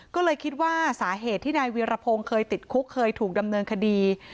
ก็เลยคิดว่าสาเหตุที่นายเวียรพงศ์เคยติดคุกเคยถูกดำเนินคดี